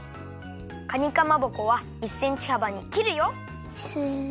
かにかまぼこは１センチはばにきるよ。